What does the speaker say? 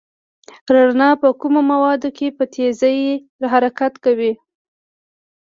رڼا په کمو موادو کې په تېزۍ حرکت کوي.